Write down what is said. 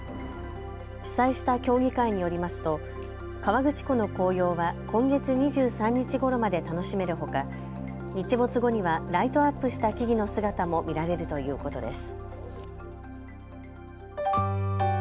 主催した協議会によりますと河口湖の紅葉は今月２３日ごろまで楽しめるほか、日没後にはライトアップした木々の姿も見られるということです。